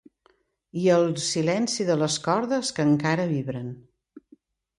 I el silenci de les cordes que encara vibren.